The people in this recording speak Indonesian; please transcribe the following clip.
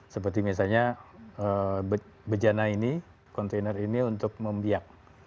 seperti misalnya bejana ini kontainer ini untuk membiak